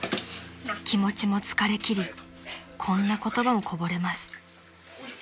［気持ちも疲れきりこんな言葉もこぼれます］